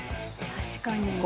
確かに。